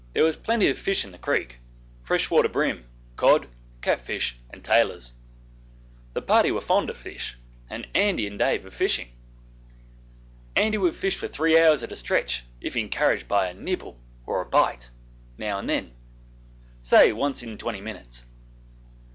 There was plenty of fish in the creek, fresh water bream, cod, cat fish, and tailers. The party were fond of fish, and Andy and Dave of fishing. Andy would fish for three hours at a stretch if encouraged by a 'nibble' or a 'bite' now and then say once in twenty minutes.